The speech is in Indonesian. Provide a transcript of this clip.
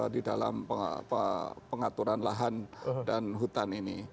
di dalam pengaturan lahan dan hutan ini